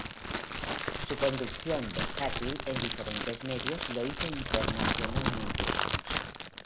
Su conducción versátil en diferentes medios lo hizo internacionalmente famoso.